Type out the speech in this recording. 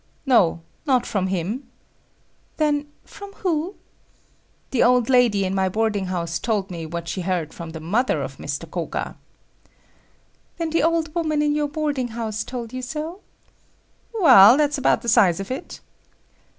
"No, not from him." "Then, from who?" "The old lady in my boarding house told me what she heard from the mother of Mr. Koga." "Then the old woman in your boarding house told you so?" "Well, that's about the size of it."